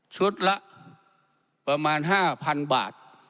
ชุดละประมาณ๕๐๐๐บาท